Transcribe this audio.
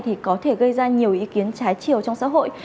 thì có thể gây ra nhiều ý kiến trái chiều trong xã hội